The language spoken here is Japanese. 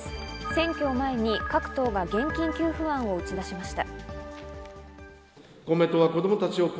選挙を前に各党が現金給付案を打ち出しました。